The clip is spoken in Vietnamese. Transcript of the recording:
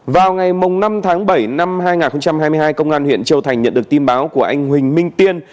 vào ngày năm tháng bảy năm hai nghìn hai mươi hai công an huyện châu thành nhận được tin báo của anh huỳnh minh tiên